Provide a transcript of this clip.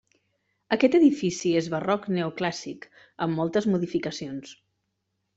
Aquest edifici és barroc- neoclàssic, amb moltes modificacions.